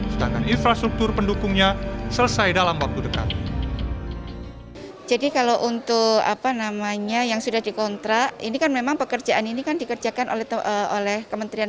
sedangkan infrastruktur pendukungnya selesai dalam waktu dekat